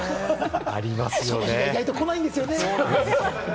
そういう日は意外とこないんですよね。